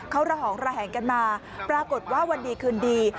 เขาระหองระแหงกันมาปรากฏว่าวันดีคืนดี